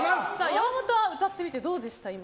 山本は歌ってみてどうでした？